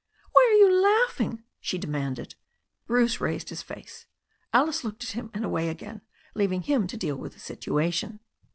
"Why are you laughing?" she demanded. Bruce raised his face. Alice looked at him and away again, leaving him to deal with the situation.